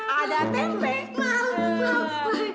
ada tempe mau mau